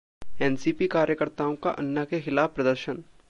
NCP कार्यकर्ताओं का अन्ना के खिलाफ प्रदर्शन